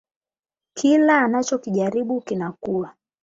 Kila anachokijaribu kinakuwa